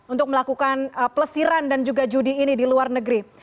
untuk melakukan pelesiran dan juga judi ini di luar negeri